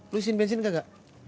lu isin bensin gak kak